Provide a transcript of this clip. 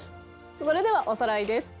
それではおさらいです。